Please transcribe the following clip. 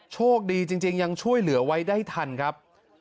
โชคดีจริงยังช่วยเหลือไว้ได้ทันครับ